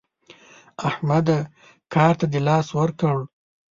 احمده کار ته دې لاس ورکړ؟